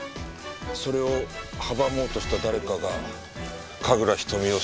それを阻もうとした誰かが神楽瞳を殺害した。